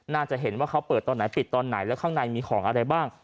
น่าจะเห็นว่าเขาเปิดตอนไหนปิดตอนไหนแล้วข้างในมีของอะไรบ้าง